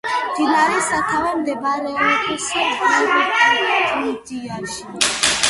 მდინარის სათავე მდებარეობს ბურგუნდიაში.